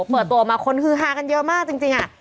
เปิดตัวออกมาคนฮือฮากันเยอะมากจริง